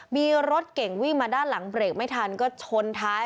มีรถเก่งวิ่งมาด้านหลังเบรกไม่ทันก็ชนท้าย